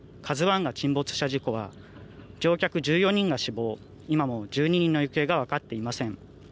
ＫＡＺＵＩが沈没した事故は乗客１４人が死亡、今も１２人の行方が分かっていません。